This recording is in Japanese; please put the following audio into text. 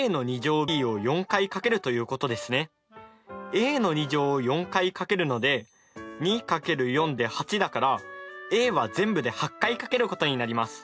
ａを４回かけるので２×４で８だからａは全部で８回かけることになります。